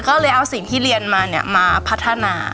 ก็เลยเอาสิ่งที่เรียนมามาพัฒนา